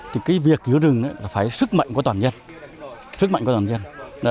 thì cái việc giữ rừng là phải sức mạnh của toàn dân sức mạnh của toàn dân